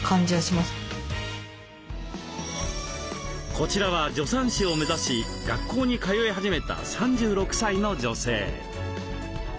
こちらは助産師を目指し学校に通い始めた３６歳の女性。